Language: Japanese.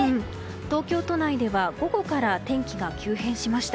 東京都内では午後から天気が急変しました。